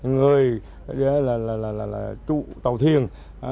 người chủ tàu thuyền